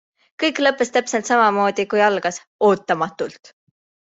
Kõik lõppes täpselt samamoodi, kui algas - ootamatult.